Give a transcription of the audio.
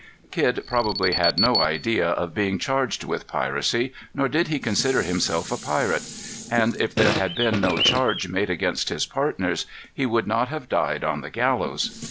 "Kidd probably had no idea of being charged with piracy, nor did he consider himself a pirate; and if there had been no charge made against his partners, he would not have died on the gallows.